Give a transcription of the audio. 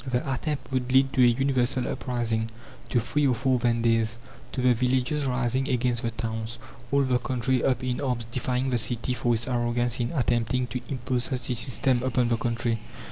The attempt would lead to a universal uprising, to three or four Vendées, to the villages rising against the towns, all the country up in arms defying the city for its arrogance in attempting to impose such a system upon the country.